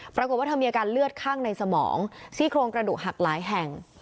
ปรากฏว่าเธอมีอาการเลือดข้างในสมองซี่โครงกระดูกหักหลายแห่ง